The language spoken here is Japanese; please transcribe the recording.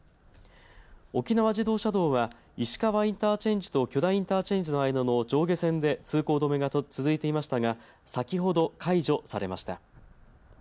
沖縄自動車道は石川インターチェンジと許田インターチェンジの間の上下線で通行止めが続いていましたが先ほど解除されました。